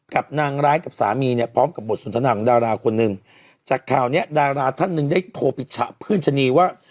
กับนางร้ายกับสามีเนี่ยพร้อมกับบทสนทนาของดาราคนหนึ่งจากข่าวเนี้ยดาราท่านหนึ่งได้โทรปิฉะเพื่อนชะนีว่า